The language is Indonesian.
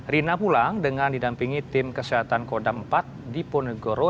rina pulang dengan didampingi tim kesehatan kodam empat di ponegoro